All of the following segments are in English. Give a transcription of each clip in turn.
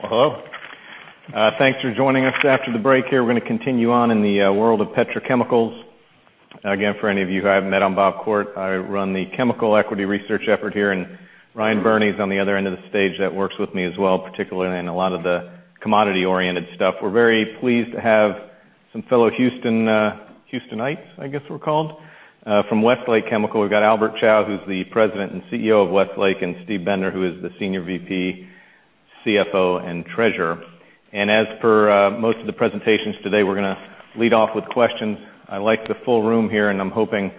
Well, hello. Thanks for joining us after the break here. We're going to continue on in the world of petrochemicals. Again, for any of you who I haven't met, I'm Bob Koort. I run the chemical equity research effort here. Ryan Berney's on the other end of the stage, who works with me as well, particularly on a lot of the commodity-oriented stuff. We're very pleased to have some fellow Houstonites, I guess we're called, from Westlake Chemical. We've got Albert Chao, who's the President and Chief Executive Officer of Westlake, and Steve Bender, who is the Senior Vice President, Chief Financial Officer, and Treasurer. As for most of the presentations today, we're going to lead off with questions. I like the full room here. I'm hoping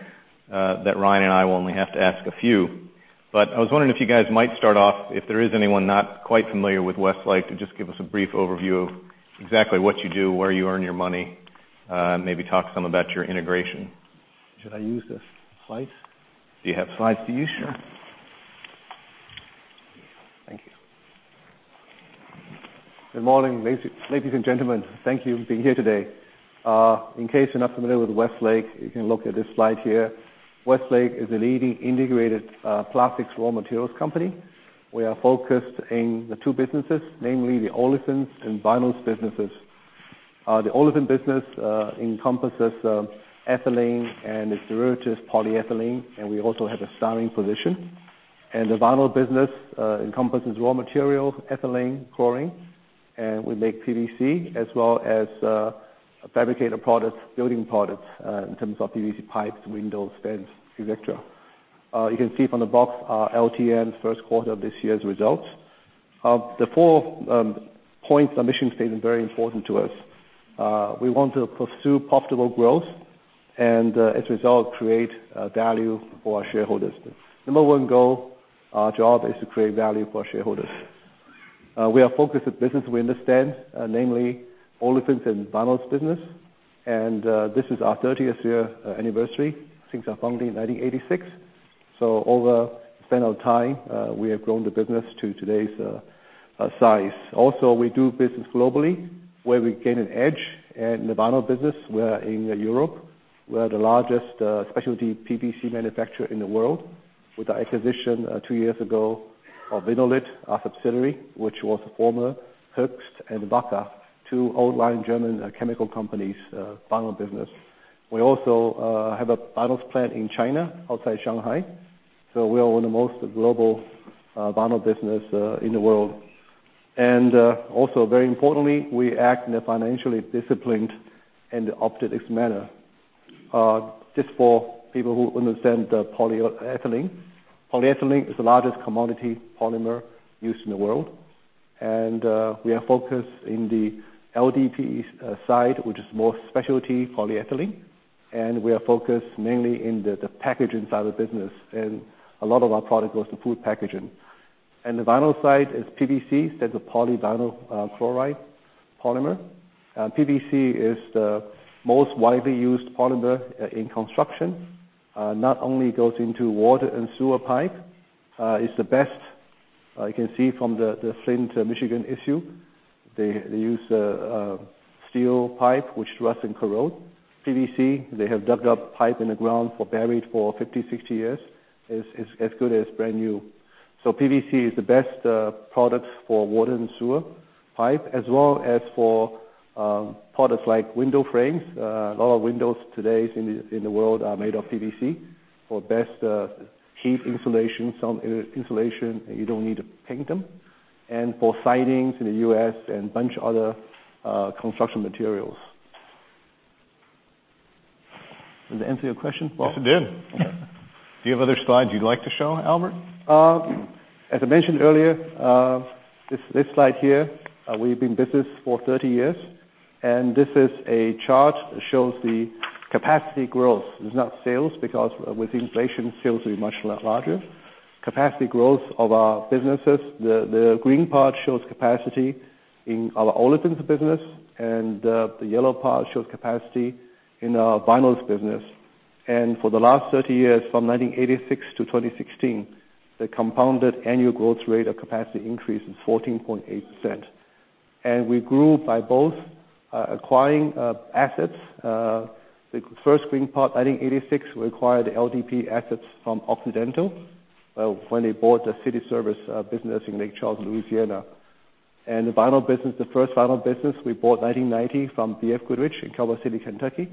that Ryan and I will only have to ask a few. I was wondering if you guys might start off, if there is anyone not quite familiar with Westlake, to just give us a brief overview of exactly what you do, where you earn your money. Maybe talk some about your integration. Should I use the slides? Do you have slides to use? Sure. Thank you. Good morning, ladies and gentlemen. Thank you for being here today. In case you're not familiar with Westlake, you can look at this slide here. Westlake is a leading integrated plastics raw materials company. We are focused in the two businesses, namely the olefins and vinyls businesses. The olefins business encompasses ethylene and its derivatives, polyethylene, we also have a styrene position. The vinyl business encompasses raw materials, ethylene, chlorine, we make PVC, as well as fabricated products, building products, in terms of PVC pipes, windows, vents, et cetera. You can see from the box our LTM first quarter of this year's results. Of the four points, our mission statement is very important to us. We want to pursue profitable growth and, as a result, create value for our shareholders. Number one goal, our job is to create value for shareholders. We are focused on business we understand, namely olefins and vinyls business. This is our 30th year anniversary since our founding in 1986. Over the span of time, we have grown the business to today's size. Also, we do business globally, where we gain an edge. In the vinyl business, we are in Europe. We are the largest specialty PVC manufacturer in the world with the acquisition two years ago of Vinnolit, our subsidiary, which was former Hoechst and Wacker, two old line German chemical companies' vinyl business. We also have a vinyl plant in China, outside Shanghai. We are one of the most global vinyl business in the world. Also very importantly, we act in a financially disciplined and opportunistic manner. Just for people who understand polyethylene. Polyethylene is the largest commodity polymer used in the world. We are focused on the LDPE side, which is more specialty polyethylene, we are focused mainly on the packaging side of the business. A lot of our product goes to food packaging. The vinyl side is PVC, so it's a polyvinyl chloride polymer. PVC is the most widely used polymer in construction, it not only goes into water and sewer pipe. It's the best. You can see from the Flint, Michigan issue. They used a steel pipe, which rust and corrode. PVC, they have dug up pipe in the ground buried for 50, 60 years, it's as good as brand new. PVC is the best product for water and sewer pipe, as well as for products like window frames. A lot of windows today in the world are made of PVC for best heat insulation. Some insulation, you don't need to paint them. For sidings in the U.S. and bunch of other construction materials. Does that answer your question, Bob? Yes, it did. Okay. Do you have other slides you'd like to show, Albert? As I mentioned earlier, this slide here, we've been in business for 30 years, this is a chart that shows the capacity growth. It's not sales, because with inflation, sales will be much larger. Capacity growth of our businesses. The green part shows capacity in our olefins business, the yellow part shows capacity in our vinyls business. For the last 30 years, from 1986 to 2016, the compounded annual growth rate of capacity increase is 14.8%. We grew by both acquiring assets. The first green part, I think 1986, we acquired the LDPE assets from Occidental, when they bought the Cities Service business in Lake Charles, Louisiana. The vinyl business, the first vinyl business we bought 1990 from BF Goodrich in Calvert City, Kentucky.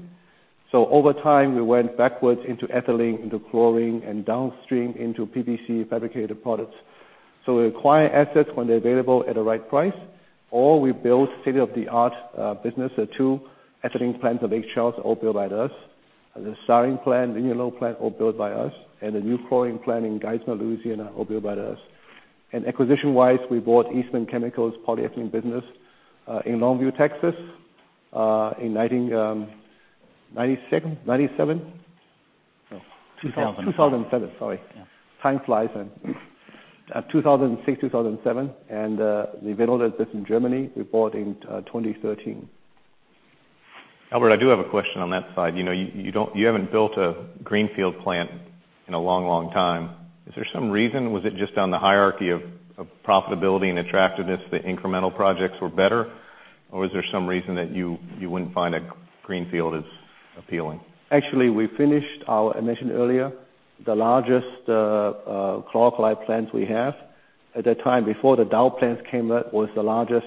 Over time, we went backwards into ethylene, into chlorine, and downstream into PVC fabricated products. We acquire assets when they're available at the right price, or we build state-of-the-art business. The two ethylene plants in Lake Charles are all built by us. The styrene plant, linear low plant, all built by us. The new chlorine plant in Geismar, Louisiana, all built by us. Acquisition-wise, we bought Eastman Chemical polyethylene business, in Longview, Texas, in 1997? No. 2007. 2007, sorry. Time flies. 2006, 2007. The Vinnolit business in Germany, we bought in 2013. Albert, I do have a question on that slide. You haven't built a greenfield plant in a long, long time. Is there some reason? Was it just on the hierarchy of profitability and attractiveness that incremental projects were better? Or is there some reason that you wouldn't find a greenfield as appealing? Actually, we finished, I mentioned earlier, the largest chlor-alkali plants we have. At that time, before the Dow plants came up, was the largest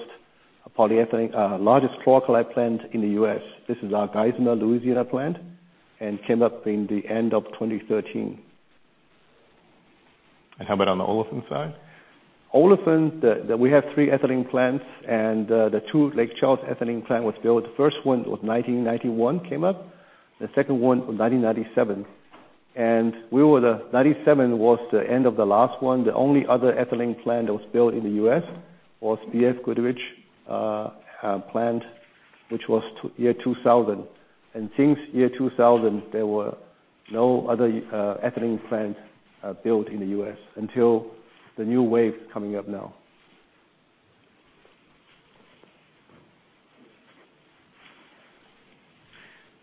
chlor-alkali plant in the U.S. This is our Geismar, Louisiana plant, and came up in the end of 2013. How about on the olefins side? Olefins, we have three ethylene plants, and the two Lake Charles ethylene plant was built. First one was 1991, came up. The second one was 1997. 1997 was the end of the last one. The only other ethylene plant that was built in the U.S. was BF Goodrich plant, which was year 2000. Since year 2000, there were no other ethylene plants built in the U.S. until the new wave coming up now.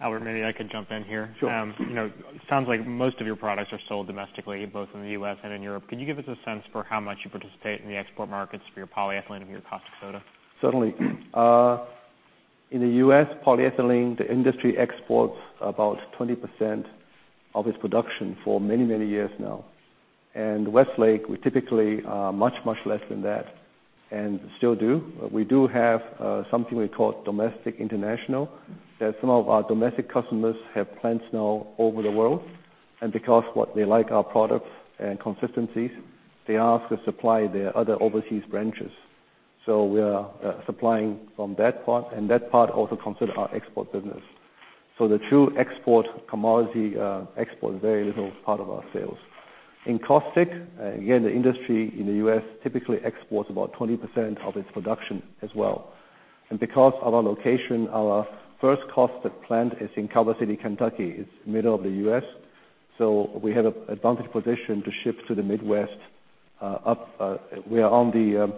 Albert, maybe I could jump in here. Sure. It sounds like most of your products are sold domestically, both in the U.S. and in Europe. Could you give us a sense for how much you participate in the export markets for your polyethylene and your caustic soda? Certainly. In the U.S., polyethylene, the industry exports about 20% of its production for many, many years now. Westlake, we typically are much, much less than that and still do. We do have something we call domestic international. That some of our domestic customers have plants now all over the world. Because they like our products and consistencies, they ask to supply their other overseas branches. We are supplying from that part, and that part also consider our export business. The true export commodity, export is very little part of our sales. In caustic, again, the industry in the U.S. typically exports about 20% of its production as well. Because of our location, our first caustic plant is in Calvert City, Kentucky. It's middle of the U.S., so we have advantage position to ship to the Midwest up. We are on the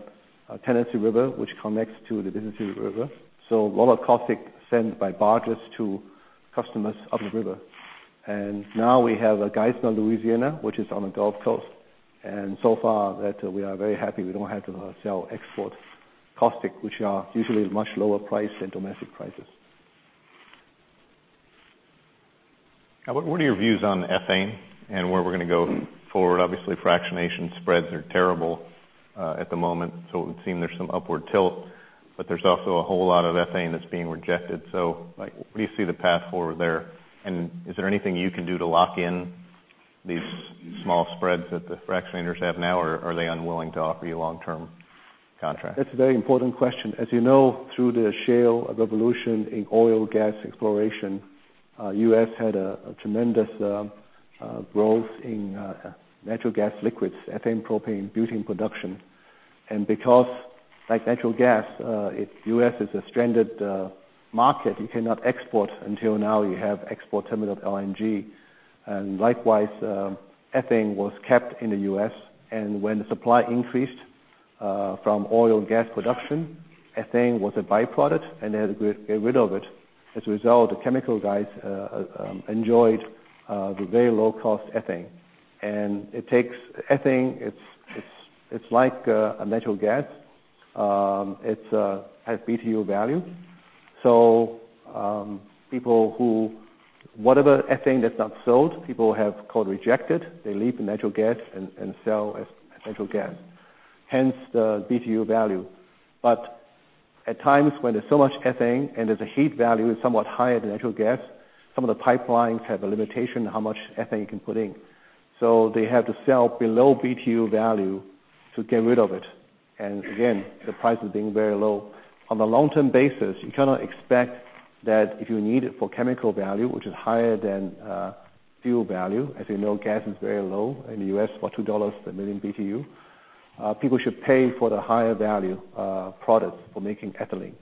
Tennessee River, which connects to the Mississippi River. A lot of caustic sent by barges to customers up the river. Now we have Geismar, Louisiana, which is on the Gulf Coast. So far, we are very happy. We don't have to sell export caustic, which are usually much lower price than domestic prices. What are your views on ethane and where we're going to go forward? Obviously, fractionation spreads are terrible at the moment, it would seem there's some upward tilt, but there's also a whole lot of ethane that's being rejected. Where do you see the path forward there? Is there anything you can do to lock in these small spreads that the fractionators have now, or are they unwilling to offer you long-term contracts? That's a very important question. As you know, through the shale revolution in oil gas exploration, U.S. had a tremendous growth in natural gas liquids, ethane, propane, butane production. Because, like natural gas, U.S. is a stranded market, you cannot export until now you have export terminal LNG. Likewise, ethane was kept in the U.S., and when the supply increased from oil and gas production, ethane was a byproduct, and they had to get rid of it. As a result, the chemical guys enjoyed the very low cost ethane. Ethane, it's like a natural gas. It has BTU value. Whatever ethane that's not sold, people have called rejected. They leave the natural gas and sell as natural gas, hence the BTU value. At times, when there's so much ethane and there's a heat value is somewhat higher than natural gas, some of the pipelines have a limitation how much ethane you can put in. They have to sell below BTU value to get rid of it. Again, the price is being very low. On the long-term basis, you cannot expect that if you need it for chemical value, which is higher than fuel value, as you know, gas is very low in the U.S. for $2 a million BTU. People should pay for the higher value products for making ethylene.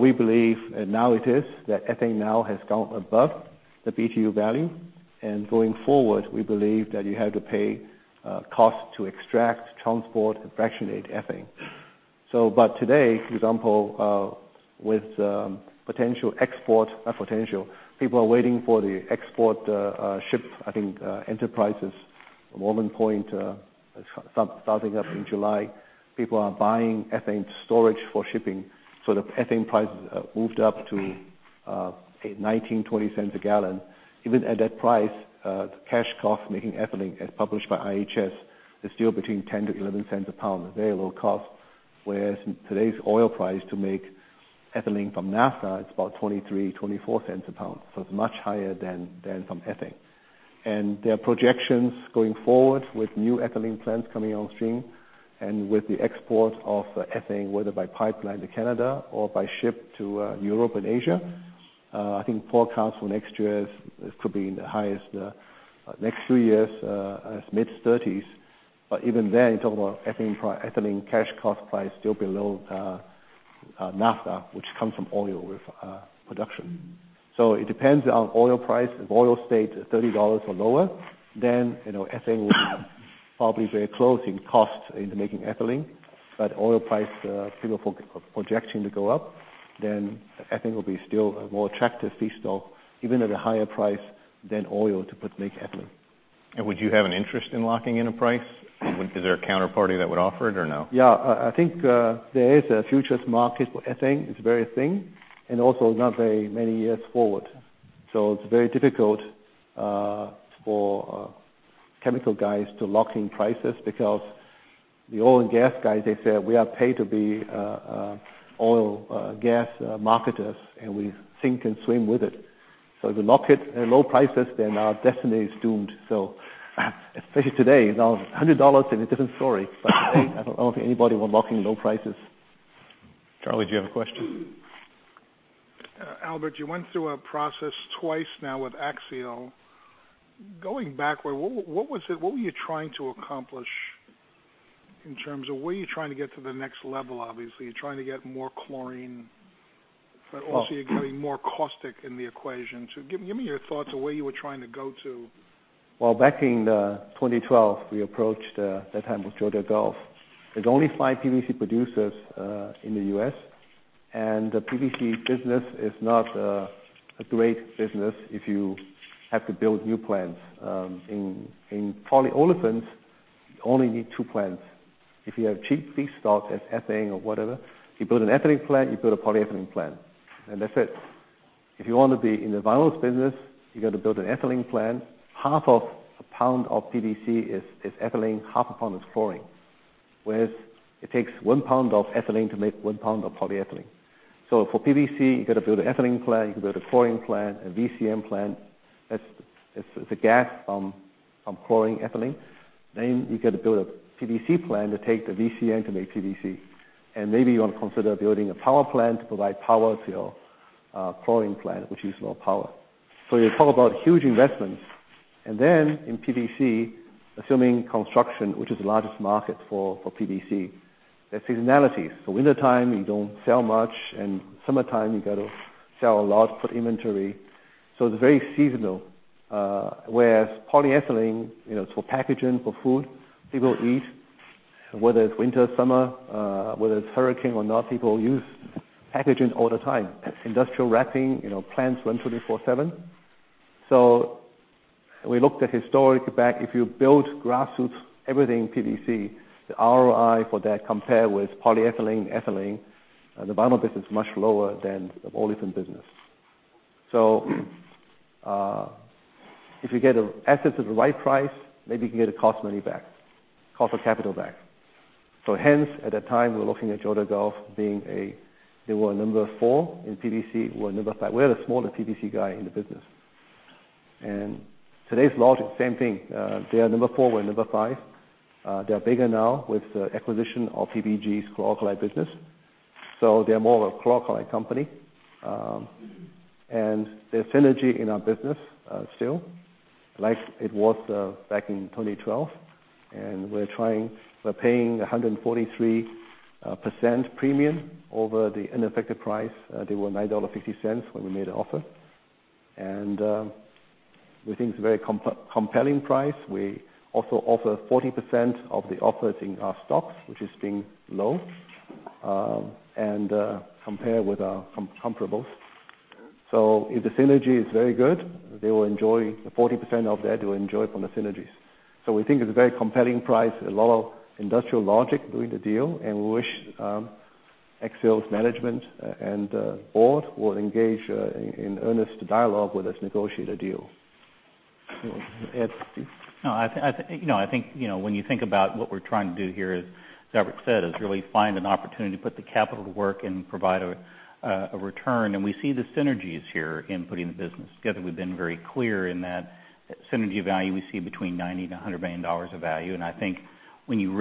We believe, and now it is, that ethane now has gone above the BTU value. Going forward, we believe that you have to pay cost to extract, transport, and fractionate ethane. Today, for example, with potential export, not potential, people are waiting for the export ship. I think Enterprise's Morgan's Point starting up in July. People are buying ethane storage for shipping. The ethane prices moved up to $0.19, $0.20 a gallon. Even at that price, the cash cost making ethylene, as published by IHS, is still between $0.10-$0.11 a pound. A very low cost, whereas today's oil price to make ethylene from naphtha is about $0.23-$0.24 a pound. It's much higher than from ethane. There are projections going forward with new ethylene plants coming on stream and with the export of ethane, whether by pipeline to Canada or by ship to Europe and Asia. I think forecast for next year could be in the highest. Next three years, mid-30s. You talk about ethylene cash cost price still below naphtha, which comes from oil production. It depends on oil price. If oil stays at $30 or lower, ethane will have probably very close in cost into making ethylene. Oil price people projecting to go up, ethane will be still a more attractive feedstock, even at a higher price than oil to make ethylene. Would you have an interest in locking in a price? Is there a counterparty that would offer it or no? Yeah, I think there is a futures market for ethane. It's very thin, and also not very many years forward. It's very difficult for chemical guys to lock in prices because the oil and gas guys, they say, "We are paid to be oil gas marketers, and we sink and swim with it." If we lock it at low prices, our destiny is doomed. Especially today. If it was $100, a different story. Today, I don't think anybody want lock in low prices. Charlie, do you have a question? Albert, you went through a process twice now with Axiall. Going backward, what were you trying to accomplish in terms of where you're trying to get to the next level, obviously. You're trying to get more chlorine- Well- Also you're getting more caustic in the equation. Give me your thoughts on where you were trying to go to. Back in 2012, we approached, at that time, it was Georgia Gulf. There's only five PVC producers in the U.S. The PVC business is not a great business if you have to build new plants. In polyolefins, you only need two plants. If you have cheap feed stocks as ethane or whatever, you build an ethylene plant, you build a polyethylene plant, and that's it. If you want to be in the vinyls business, you've got to build an ethylene plant. Half of a pound of PVC is ethylene, half a pound is chlorine. Whereas it takes one pound of ethylene to make one pound of polyethylene. For PVC, you've got to build an ethylene plant, you can build a chlorine plant, a VCM plant. That's the gas from chlorine ethylene. You got to build a PVC plant to take the VCM to make PVC. Maybe you want to consider building a power plant to provide power to your chlorine plant, which uses more power. You're talking about huge investments. In PVC, assuming construction, which is the largest market for PVC, there's seasonality. Wintertime, you don't sell much, and summertime, you got to sell a lot to put inventory. It's very seasonal. Whereas polyethylene, it's for packaging, for food. People eat, whether it's winter, summer, whether it's hurricane or not, people use packaging all the time. Industrial wrapping, plants run 24/7. We looked at historic back. If you build grassroots, everything PVC, the ROI for that compare with polyethylene, ethylene, the vinyl business is much lower than the olefin business. If you get an asset at the right price, maybe you can get a cost money back, cost of capital back. Hence, at that time, we were looking at Georgia Gulf. They were number four in PVC, we were number five. We're the smaller PVC guy in the business. Today's logic, same thing. They are number four, we're number five. They're bigger now with the acquisition of PPG's chlor-alkali business. They are more of a chlor-alkali company. There's synergy in our business still, like it was back in 2012. We're paying 143% premium over the unaffected price. They were $9.50 when we made an offer. We think it's a very compelling price. We also offer 40% of the offering are stocks, which is being low, and compare with our comparables. If the synergy is very good, they will enjoy the 40% of that, they will enjoy from the synergies. We think it's a very compelling price, a lot of industrial logic doing the deal, and we wish Axiall's management and board will engage in earnest dialogue with us, negotiate a deal. Ed, please. No, I think, when you think about what we're trying to do here, as Albert said, is really find an opportunity to put the capital to work and provide a return. We see the synergies here in putting the business together. We've been very clear in that synergy value we see between $90 million-$100 million of value. I think when you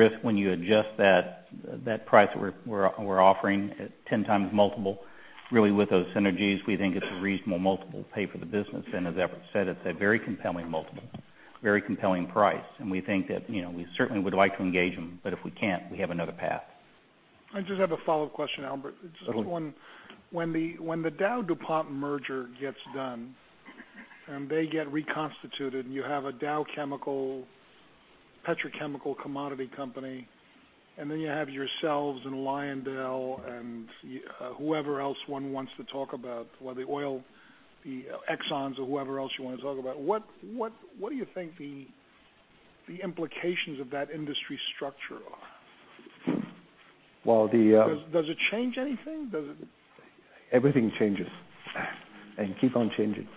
adjust that price we're offering at 10x multiple, really with those synergies, we think it's a reasonable multiple to pay for the business. As Albert said, it's a very compelling multiple, very compelling price. We think that we certainly would like to engage them, but if we can't, we have another path. I just have a follow-up question, Albert. Okay. Just one. When the DowDuPont merger gets done and they get reconstituted, then you have a Dow Chemical, petrochemical commodity company, then you have yourselves and Lyondell and whoever else one wants to talk about. The oil, the Exxons or whoever else you want to talk about. What do you think the implications of that industry structure are? Well. Does it change anything? Everything changes and keep on changing.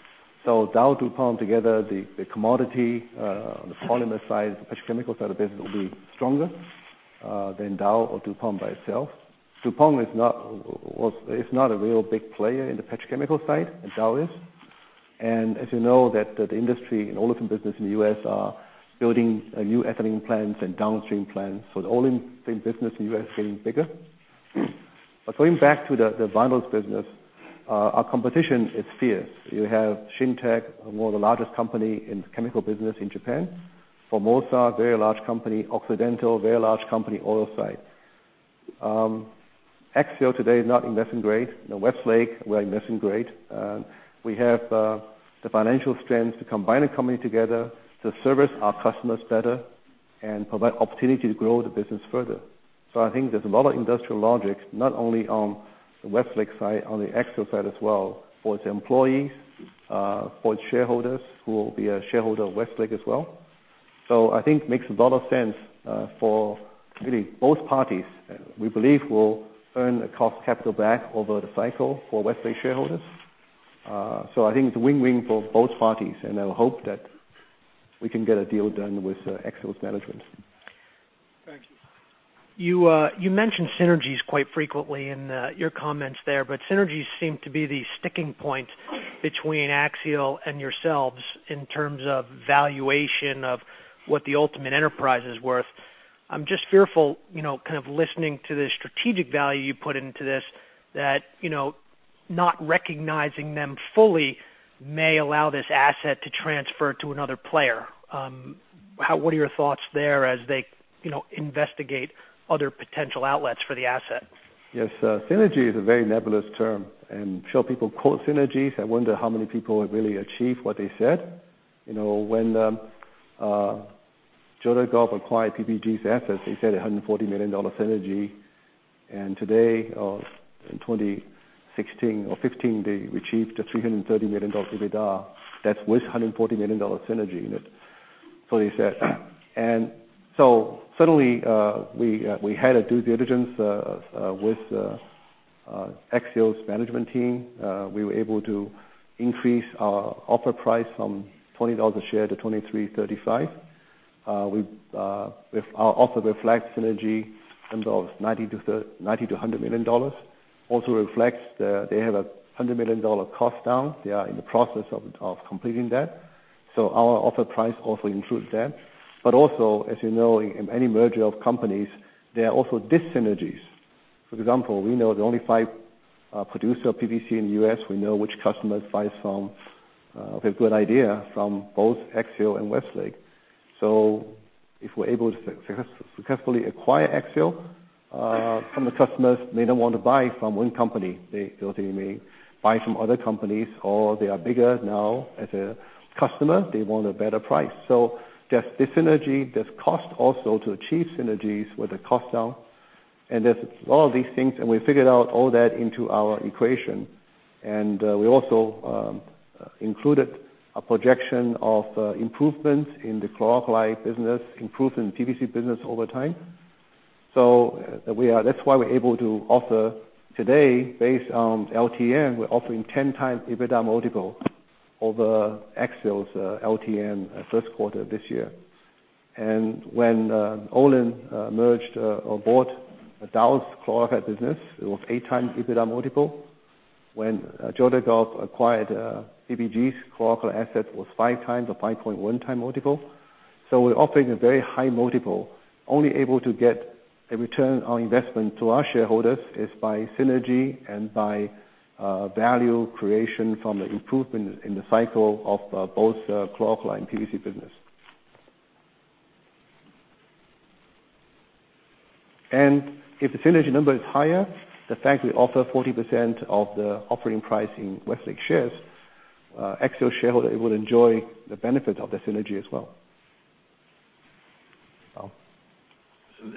DowDuPont together, the commodity on the polymer side, the petrochemical side of the business will be stronger than Dow or DuPont by itself. DuPont is not a real big player in the petrochemical side, and Dow is. As you know that the industry and olefin business in the U.S. are building new ethylene plants and downstream plants. The olefin business in U.S. is getting bigger. Going back to the vinyls business, our competition is fierce. You have Shin-Etsu, one of the largest company in the chemical business in Japan. Formosa, very large company. Occidental, very large company, oil site. Axiall today is not investment grade. Westlake, we're investment grade. We have the financial strength to combine the company together to service our customers better and provide opportunity to grow the business further. I think there's a lot of industrial logic, not only on the Westlake side, on the Axiall side as well, for its employees, for its shareholders, who will be a shareholder of Westlake as well. I think makes a lot of sense. For really both parties, we believe will earn the cost capital back over the cycle for Westlake shareholders. I think it's a win-win for both parties, and I hope that we can get a deal done with Axiall's management. Thank you. You mentioned synergies quite frequently in your comments there. Synergies seem to be the sticking point between Axiall and yourselves in terms of valuation of what the ultimate enterprise is worth. I'm just fearful, kind of listening to the strategic value you put into this that not recognizing them fully may allow this asset to transfer to another player. What are your thoughts there as they investigate other potential outlets for the asset? Yes. Synergy is a very nebulous term. Sure people quote synergies. I wonder how many people have really achieved what they said. When Dow acquired PPG's assets, they said $140 million synergy. Today, in 2016 or 2015, they achieved a $330 million EBITDA. That's with $140 million synergy in it. They said. Suddenly, we had a due diligence with Axiall's management team. We were able to increase our offer price from $20 a share to $23.35. Our offer reflects synergy in terms of $90 million-$100 million. Also reflects they have a $100 million cost down. They are in the process of completing that. Our offer price also includes that. Also, as you know, in any merger of companies, there are also dis-synergies. For example, we know the only five producer of PVC in the U.S. We know which customers buy from we have a good idea from both Axiall and Westlake. If we're able to successfully acquire Axiall, some of the customers may not want to buy from one company. They may buy from other companies, or they are bigger now as a customer. They want a better price. There's dis-synergy. There's cost also to achieve synergies with the cost down. There's all these things, and we figured out all that into our equation. We also included a projection of improvements in the chlor-alkali business, improvement in PVC business over time. That's why we're able to offer today, based on LTM, we're offering 10x EBITDA multiple over Axiall's LTM first quarter this year. When Olin merged or bought Dow's chlor-alkali business, it was 8x EBITDA multiple. When Dow acquired PPG's chlor-alkali asset was 5x or 5.1x multiple. We're offering a very high multiple. Only able to get a ROI to our shareholders is by synergy and by value creation from the improvement in the cycle of both chlor-alkali and PVC business. If the synergy number is higher, the fact we offer 40% of the offering price in Westlake shares, Axiall shareholder would enjoy the benefit of the synergy as well. Tom.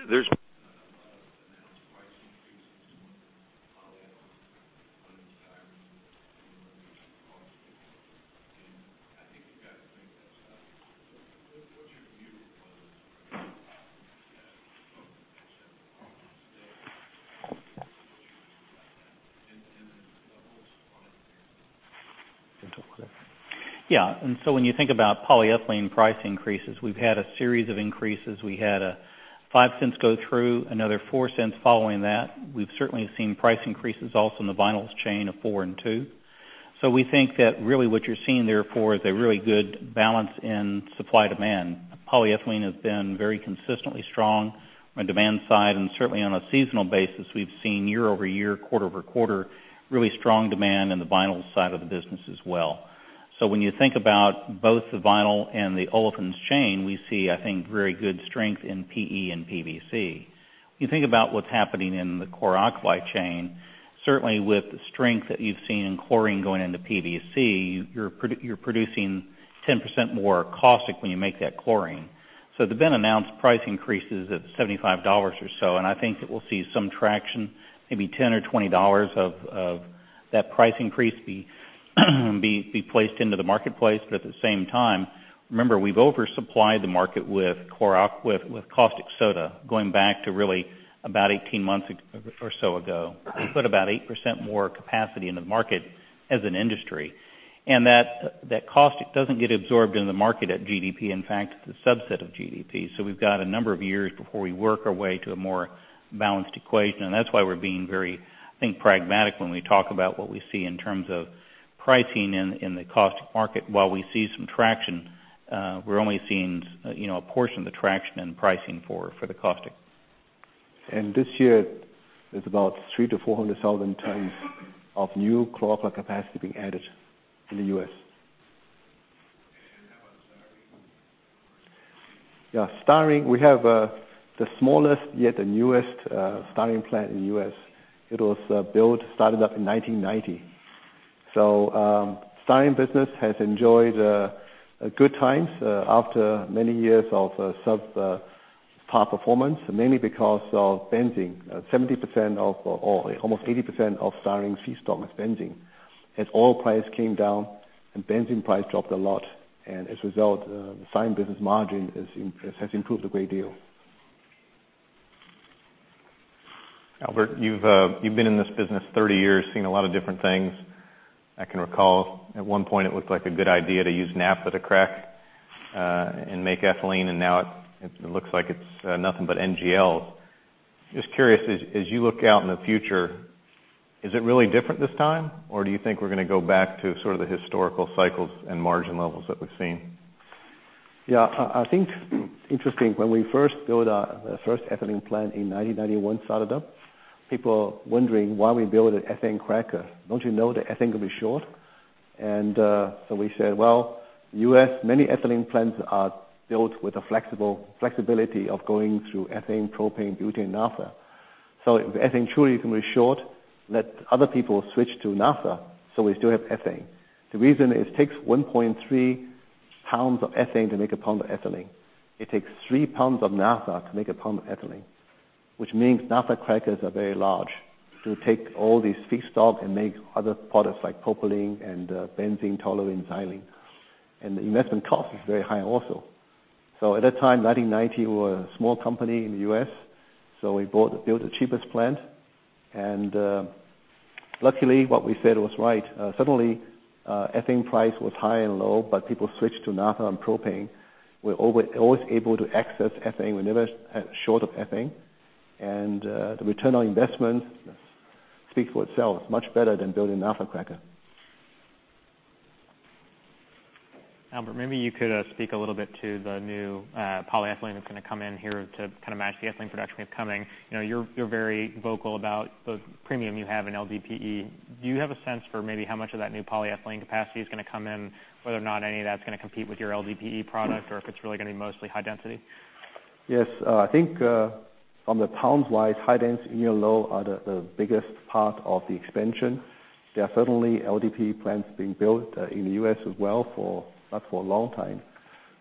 There's I think you guys Yeah. When you think about polyethylene price increases, we've had a series of increases. We had $0.05 go through, another $0.04 following that. We've certainly seen price increases also in the vinyls chain of four and two. We think that really what you're seeing therefore is a really good balance in supply-demand. Polyethylene has been very consistently strong on demand side, and certainly on a seasonal basis, we've seen year-over-year, quarter-over-quarter, really strong demand in the vinyl side of the business as well. When you think about both the vinyl and the olefins chain, we see, I think, very good strength in PE and PVC. You think about what's happening in the chlor-alkali chain, certainly with the strength that you've seen in chlorine going into PVC, you're producing 10% more caustic when you make that chlorine. There've been announced price increases of $75 or so, I think that we'll see some traction, maybe $10 or $20 of that price increase be placed into the marketplace. At the same time, remember, we've oversupplied the market with caustic soda going back to really about 18 months or so ago. We put about 8% more capacity in the market as an industry. That caustic doesn't get absorbed in the market at GDP. In fact, it's a subset of GDP. We've got a number of years before we work our way to a more balanced equation, and that's why we're being very, I think, pragmatic when we talk about what we see in terms of pricing in the caustic market. While we see some traction, we're only seeing a portion of the traction and pricing for the caustic. This year is about 300,000-400,000 tons of new chlor-alkali capacity being added in the U.S. How about styrene? Styrene. We have the smallest, yet the newest styrene plant in the U.S. It was built, started up in 1990. Styrene business has enjoyed good times after many years of sub-par performance, mainly because of benzene. 70% or almost 80% of styrene feedstock is benzene. As oil price came down, and benzene price dropped a lot, and as a result, the styrene business margin has improved a great deal. Albert, you've been in this business 30 years, seen a lot of different things. I can recall at one point it looked like a good idea to use naphtha to crack and make ethylene. Now it looks like it's nothing but NGL. Just curious, as you look out in the future, is it really different this time, or do you think we're going to go back to sort of the historical cycles and margin levels that we've seen? Yeah, I think interesting. When we first built our first ethylene plant in 1991, started up, people wondering why we build an ethane cracker. Don't you know that ethane could be short? So we said, "Well, U.S., many ethylene plants are built with the flexibility of going through ethane, propane, butane, naphtha." If ethane truly can be short, let other people switch to naphtha, so we still have ethane. The reason is it takes 1.3 pounds of ethane to make a pound of ethylene. It takes three pounds of naphtha to make a pound of ethylene, which means naphtha crackers are very large. To take all these feedstock and make other products like propylene and benzene, toluene, xylene. The investment cost is very high also. At that time, 1990, we were a small company in the U.S., so we built the cheapest plant. Luckily, what we said was right. Suddenly, ethane price was high and low. People switched to naphtha and propane. We're always able to access ethane. We're never short of ethane. The return on investment speaks for itself, much better than building a naphtha cracker. Albert, maybe you could speak a little to the new polyethylene that's going to come in here to match the ethylene production we have coming. You're very vocal about the premium you have in LDPE. Do you have a sense for maybe how much of that new polyethylene capacity is going to come in, whether or not any of that's going to compete with your LDPE product, or if it's really going to be mostly high density? Yes. I think from the pounds-wise, high-density and linear low are the biggest part of the expansion. There are certainly LDPE plants being built in the U.S. as well, but not for a long time.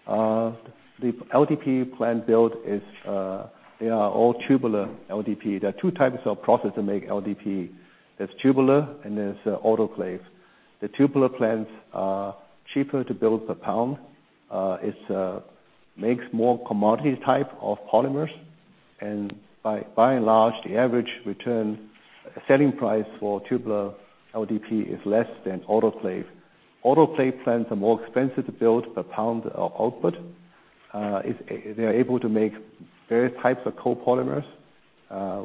The LDPE plant build is all tubular LDPE. There are 2 types of process to make LDPE. There's tubular and there's autoclave. The tubular plants are cheaper to build per pound. It makes more commodity type of polymers. By and large, the average return selling price for tubular LDPE is less than autoclave. Autoclave plants are more expensive to build per pound of output. They're able to make various types of copolymers.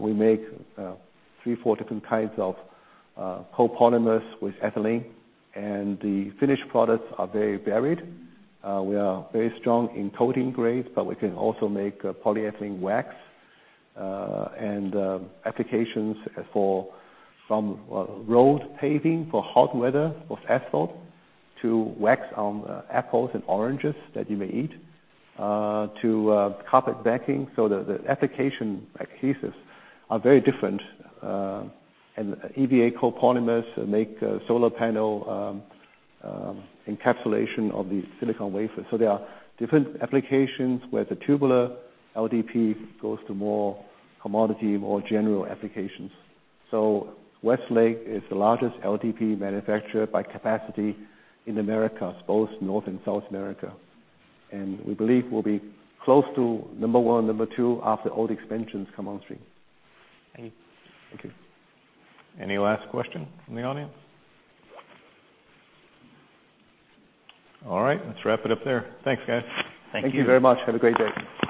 We make 3, 4 different kinds of copolymers with ethylene, and the finished products are very varied. We are very strong in coating grade, but we can also make polyethylene wax. Applications for some road paving for hot weather, for asphalt, to wax on apples and oranges that you may eat, to carpet backing. The application adhesives are very different. EVA copolymers make solar panel encapsulation of the silicon wafers. They are different applications where the tubular LDPE goes to more commodity, more general applications. Westlake is the largest LDPE manufacturer by capacity in the Americas, both North and South America. We believe we'll be close to number 1, number 2 after all the expansions come on stream. Thank you. Thank you. Any last question from the audience? All right. Let's wrap it up there. Thanks, guys. Thank you very much. Have a great day.